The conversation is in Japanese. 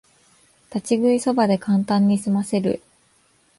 立ち食いそばでカンタンにすませる